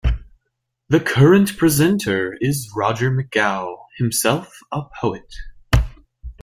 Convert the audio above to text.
The current presenter is Roger McGough, himself a poet.